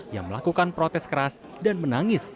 yang melakukan protes keras dan menangis